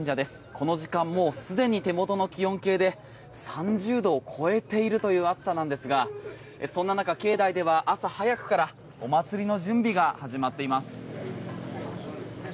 この時間、もうすでに手元の気温計で３０度を超えているという暑さなんですがそんな中、境内では朝早くからお祭りの準備が始まっています。